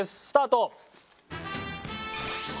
スタート。